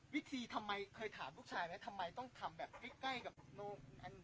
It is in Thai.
วิธีทำไมเคยถามลูกชายไหมทำไมต้องทำแบบใกล้กับลูก